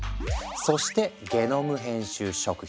そしてゲノム編集食品。